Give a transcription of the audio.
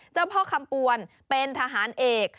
เจ้าพ่อคำปวนเป็นทหารเอก